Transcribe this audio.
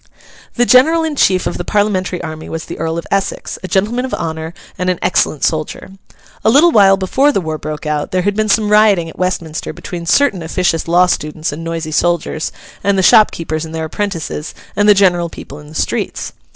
The general in chief of the Parliamentary army was the Earl of Essex, a gentleman of honour and an excellent soldier. A little while before the war broke out, there had been some rioting at Westminster between certain officious law students and noisy soldiers, and the shopkeepers and their apprentices, and the general people in the streets.